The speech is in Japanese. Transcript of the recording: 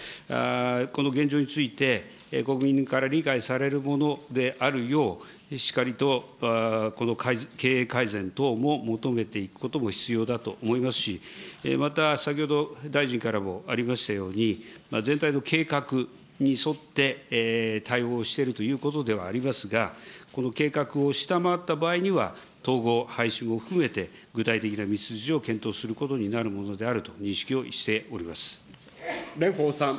この現状について、国民から理解されるものであるよう、しっかりとこの経営改善等も求めていくことも必要だと思いますし、また、先ほど大臣からもありましたように、全体の計画に沿って対応しているということではありますが、この計画を下回った場合には、統合、廃止も含めて具体的な道筋を検討することになるものであると認識蓮舫さん。